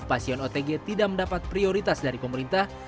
pasien otg tidak mendapat prioritas dari pemerintah